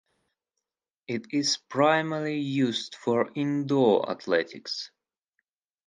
It is primarily used for indoor athletics.